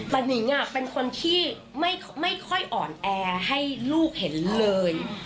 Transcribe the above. แต่นิงเป็นคนที่ไม่ค่อยอ่อนแอให้ลูกเห็นเลย